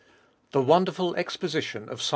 The wonderful exposition of Ps.